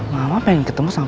mama pengen ketemu sama